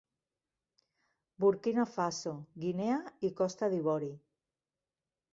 Burkina Faso, Guinea i Costa d'Ivori.